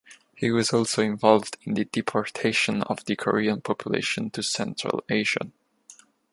He was also involved in the deportation of the Korean population to Central Asia.